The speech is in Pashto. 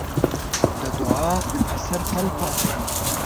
د دعا اثر تل پاتې وي.